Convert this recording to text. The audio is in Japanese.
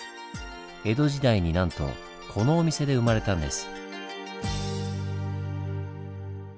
江戸時代になんとこのお店で生まれたんです。